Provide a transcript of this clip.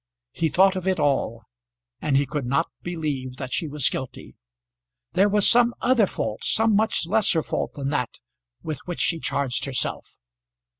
He thought of it all, and he could not believe that she was guilty. There was some other fault, some much lesser fault than that, with which she charged herself.